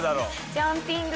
ジャンピング。